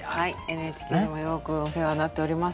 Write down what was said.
ＮＨＫでもよくお世話になっております。